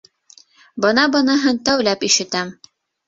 Бына быныһын тәүләп ишетәм.